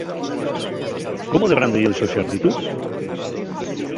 ¿Cómo de grande ye'l so exércitu?